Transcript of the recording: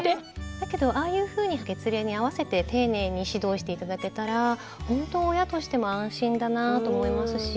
だけどああいうふうに月齢に合わせて丁寧に指導して頂けたらほんと親としても安心だなと思いますし。